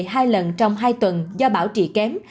hai lần trong hai tuần do bảo trị kém